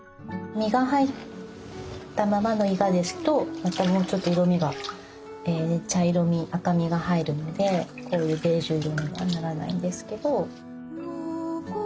実が入ったままのイガですとまたもうちょっと色みが茶色み赤みが入るのでこういうベージュ色にはならないんですけど。